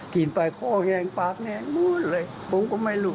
กินไปข้อแห้งปากแดงหมดเลยผมก็ไม่รู้